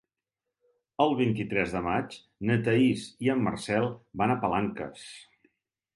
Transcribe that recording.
El vint-i-tres de maig na Thaís i en Marcel van a Palanques.